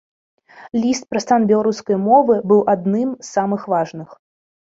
Ліст пра стан беларускай мовы быў адным з самых важных.